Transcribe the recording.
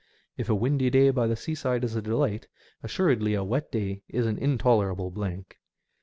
If a windy day by the seaside is a delight, assuredly a wet day is an intolerable blank.